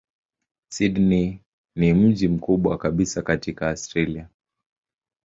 Sydney ni mji mkubwa kabisa katika Australia.